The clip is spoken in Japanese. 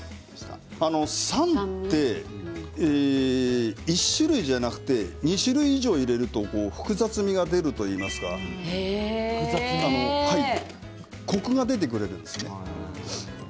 酸は１種類ではなくて２種類以上入れると複雑みが出るというかコクが出てくれるんです。